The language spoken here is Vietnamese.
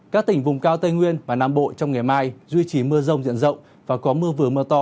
các tỉnh vùng cao tây nguyên và nam bộ trong ngày mai duy trì mưa rông diện rộng và có mưa vừa mưa to